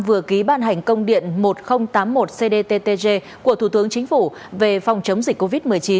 vừa ký ban hành công điện một nghìn tám mươi một cdttg của thủ tướng chính phủ về phòng chống dịch covid một mươi chín